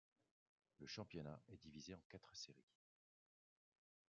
Le championnat est divisé en quatre séries.